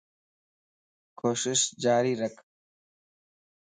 ڪوشش جاري رک